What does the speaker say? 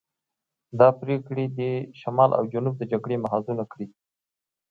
دا پرېکړې دې شمال او جنوب د جګړې محاذونه کړي.